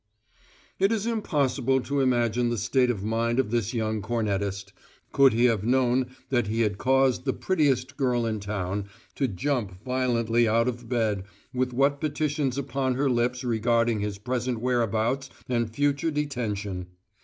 It is impossible to imagine the state of mind of this young cornetist, could he have known that he had caused the prettiest girl in town to jump violently out of bed with what petitions upon her lips regarding his present whereabouts and future detention!